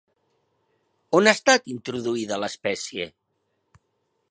On ha estat introduïda l'espècie?